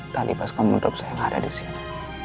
tadi pas kamu drop saya nggak ada di sini